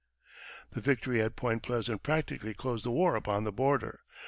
The victory at Point Pleasant practically closed the war upon the border.